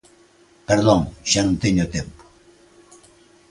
Perdón, ¿xa non teño tempo?